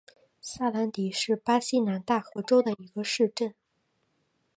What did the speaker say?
萨兰迪是巴西南大河州的一个市镇。